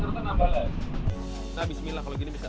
nah bismillah kalau gini bisa